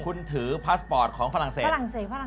คุณถือพัสปอร์ตของฝรั่งเศส